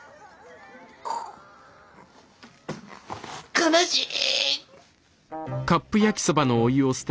悲しい。